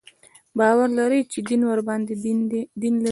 باور لري چې دین ورباندې دین لري.